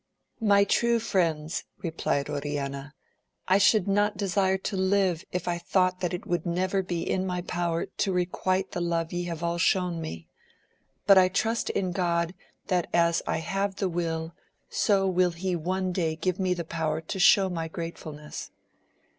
My true friends, replied Oriana, I should not desire to live if I thought that it would never be in my power to requite the love ye have all shown me, but I trust in God that as I have the will, so will he one day give me the power to show my gratefulness.